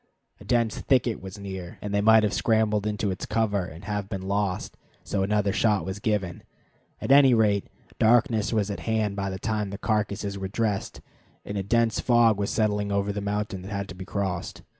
A dense thicket was near, and they might have scrambled into its cover and have been lost, so another shot was given. At any rate, darkness was at hand by the time the carcasses were dressed, and a dense fog was settling over the mountain that had to be crossed.